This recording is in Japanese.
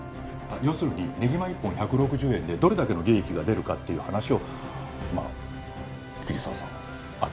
要するにねぎま１本１６０円でどれだけの利益が出るかっていう話をまあ桐沢さんあっ桐沢先生が。